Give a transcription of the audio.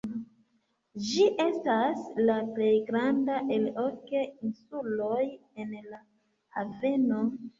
Ĝi estas la plej granda el ok insuloj en la haveno.